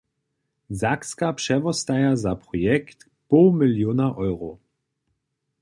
Sakska přewostaja za projekt poł miliona eurow.